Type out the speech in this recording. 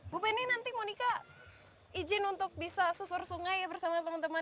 bu penny nanti monika izin untuk bisa susur sungai bersama teman teman di jawa